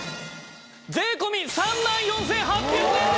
税込３万４８００円です！